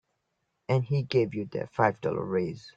And he gave you that five dollar raise.